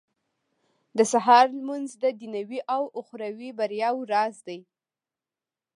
• د سهار لمونځ د دنيوي او اخروي بريا راز دی.